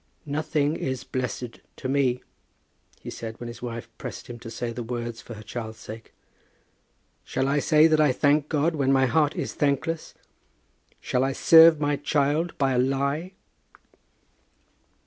"Nothing is blessed to me," he said, when his wife pressed him to say the words for their child's sake. "Shall I say that I thank God when my heart is thankless? Shall I serve my child by a lie?"